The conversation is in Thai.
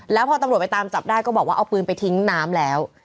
แล้วพอตำรวจไปตามจับได้ก็บอกว่าเอาปืนไปทิ้งน้ำแล้ว